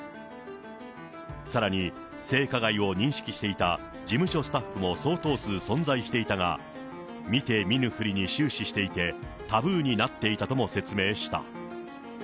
さらに、性加害を認識していた事務所スタッフも相当数存在していたが、見て見ぬふりに終始していて、タブーになっていたとも説明した。